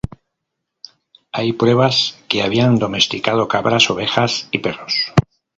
Hay pruebas que habían domesticado cabras, ovejas y perros.